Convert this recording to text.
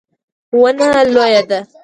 ونه لویه ده